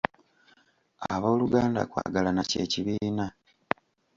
Abooluganda kwagalana kye kibiina.